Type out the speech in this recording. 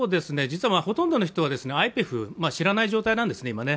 実は、ほとんどの人は知らない状態なんですね、今。